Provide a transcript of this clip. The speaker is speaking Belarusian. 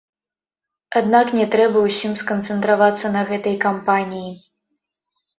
Аднак, не трэба ўсім сканцэнтравацца на гэтай кампаніі.